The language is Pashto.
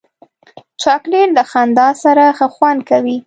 چاکلېټ له خندا سره ښه خوند کوي.